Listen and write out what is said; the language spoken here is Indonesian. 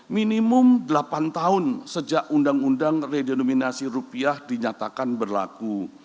minimum delapan tahun sejak undang undang redenominasi rupiah dinyatakan berlaku